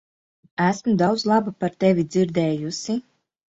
Esmu daudz laba par tevi dzirdējusi.